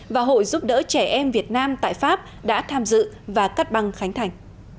và hội giúp đỡ trẻ em việt nam tại pháp đã tham dự và cắt băng khánh thành